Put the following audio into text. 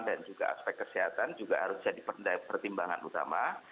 juga aspek kesehatan juga harus jadi pertimbangan utama